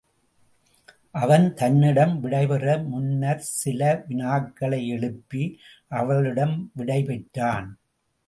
அவள் தன்னிடம் விடைபெறு முன்னர்ச் சில வினாக்களை எழுப்பி அவளிடம் விடைபெற்றான்.